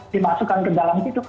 dimasukkan ke dalam itu